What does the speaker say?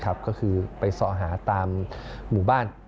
ก็คือไปสอหาตามหมู่บ้าน